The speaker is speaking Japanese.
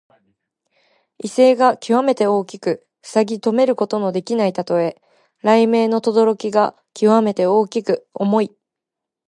威勢がきわめて大きく防ぎとめることのできないたとえ。雷鳴のとどろきがきわめて大きく重い。